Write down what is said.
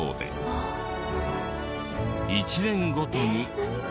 １年ごとに。